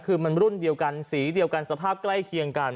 คือมันรุ่นเดียวกันสีเดียวกันสภาพใกล้เคียงกัน